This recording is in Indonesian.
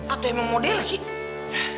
atau emang modelnya sih